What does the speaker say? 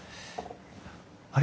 あれ？